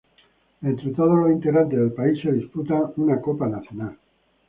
Entre todos los integrantes del país se disputa una copa nacional.